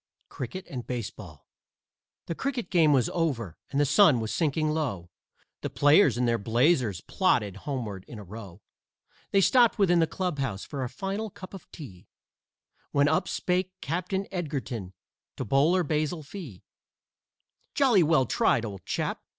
CRICKET AND BASEBALL The cricket game was over and the sun was sinking low, The players in their blazers plodded homeward in a row. They stopped within the clubhouse for a final cup of tea, When up spake Captain Edgerton to Bowler Basil Fee: "Jolly well tried, old chap!